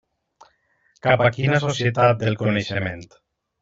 Cap a quina societat del coneixement.